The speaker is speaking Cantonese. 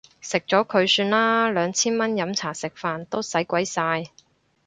食咗佢算啦，兩千蚊飲茶食飯都使鬼晒